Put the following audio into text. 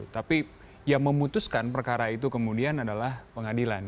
tapi yang memutuskan perkara itu kemudian adalah pengadilan